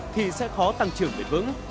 thì sẽ khó tăng trưởng nguyệt vững